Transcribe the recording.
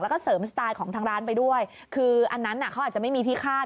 แล้วก็เสริมสไตล์ของทางร้านไปด้วยคืออันนั้นเขาอาจจะไม่มีที่คาด